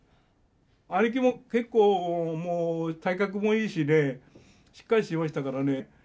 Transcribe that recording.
兄貴も結構もう体格もいいしねしっかりしてましたからね。